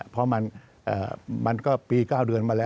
เพราะมันก็ปี๙เดือนมาแล้ว